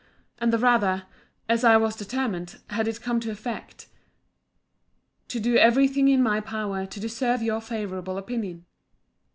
And the rather, as I was determined, had it come to effect, to do every thing in my power to deserve your favourable opinion.